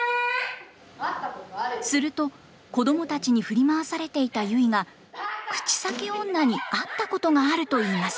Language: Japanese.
すると子供たちに振り回されていたゆいが口裂け女に会ったことがあると言います。